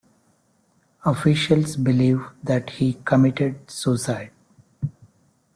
Officials believe that he committed suicide.